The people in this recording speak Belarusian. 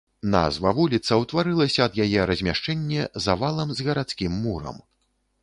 Назва вуліца ўтварылася ад яе размяшчэнне за валам з гарадскім мурам.